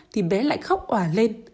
thì bé lại khóc hòa lên